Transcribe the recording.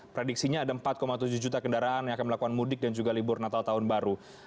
prediksinya ada empat tujuh juta kendaraan yang akan melakukan mudik dan juga libur natal tahun baru